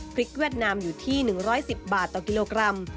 เวียดนามอยู่ที่๑๑๐บาทต่อกิโลกรัม